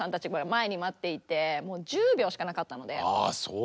前に待っていてもう１０秒しかなかったのでああそう。